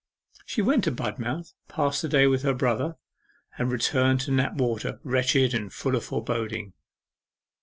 She went to Budmouth, passed the day with her brother, and returned to Knapwater wretched and full of foreboding.